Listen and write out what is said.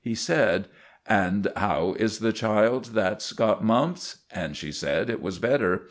He said: "And how is the child that's got mumps?" and she said it was better.